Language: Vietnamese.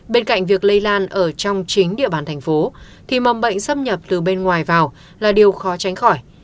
bên cạnh việc lây lan ở trong chính địa bàn thành phố thì mầm bệnh xâm nhập từ bên ngoài vào là điều khó tránh khỏi